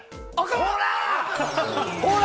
ほら！